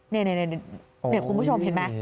นี่คุณผู้ชมเห็นไหม